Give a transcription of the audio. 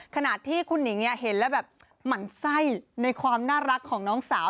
ขณะที่คุณหนิงเห็นแล้วแบบหมั่นไส้ในความน่ารักของน้องสาว